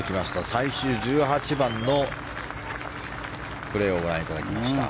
最終１８番のプレーをご覧いただきました。